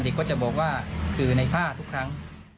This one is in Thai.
ก็จะบอกว่าคือในผ้าทุกครั้ง